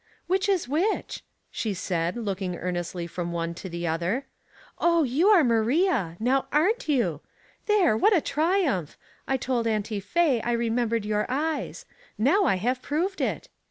" Which is which ?" she said, looking earnest ly from one to the other. " Oh, you are Maria — now arerCt you? There, what a triumph! I told Auntie Faye I remembered your eyes ; now I have proved it.